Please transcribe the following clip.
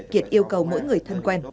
kiệt yêu cầu mỗi người thân quen